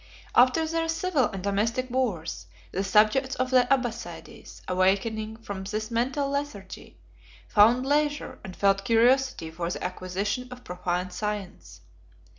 51 After their civil and domestic wars, the subjects of the Abbassides, awakening from this mental lethargy, found leisure and felt curiosity for the acquisition of profane science.